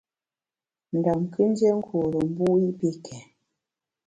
Ndam kù ndié nkure na mbu i pi kèn.